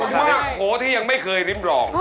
มากโถที่ยังไม่เคยริมรอง